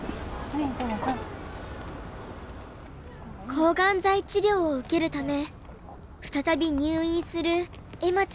抗がん剤治療を受けるため再び入院する恵麻ちゃん。